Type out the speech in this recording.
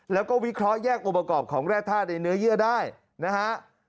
แล้วก็วิเคราะห์แยกองค์ประกอบของแร่ธาตุในเนื้อเยื่อได้นะฮะ